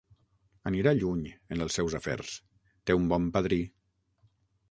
Anirà lluny, en els seus afers: té un bon padrí.